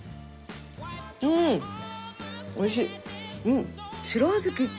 んおいしい。